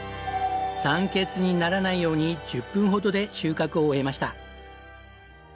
酸欠にならないように１０分ほどで収穫を終えました。